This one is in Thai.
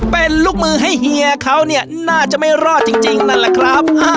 เป็นลูกมือให้เฮียเขาเนี่ยน่าจะไม่รอดจริงนั่นแหละครับ